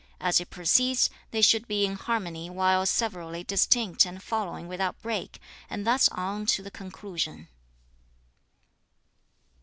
As it proceeds, they should be in harmony while severally distinct and flowing without break, and thus on to the conclusion.'